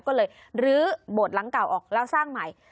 ก็เลยลื้อโบสถ์หลังเก่าออกแล้วสร้างใหม่